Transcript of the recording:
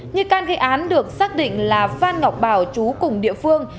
nghi can gây án được xác định là phan ngọc bảo chú cùng địa phương